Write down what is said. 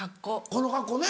この格好ね。